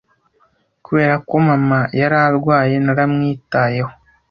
Kubera ko mama yari arwaye, naramwitayeho.